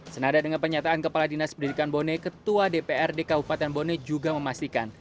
senada dengan penyataan kepala dinas pendidikan bone ketua dprd kabupaten bone juga memastikan